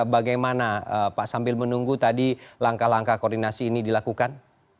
bagaimana pak sambil menunggu tadi langkah langkah koordinasi ini dilakukan